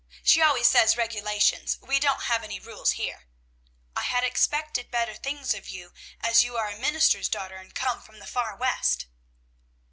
(She always says regulations; we don't have any rules here.) 'I had expected better things of you, as you are a minister's daughter, and came from the far West.'"